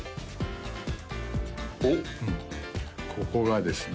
おっここがですね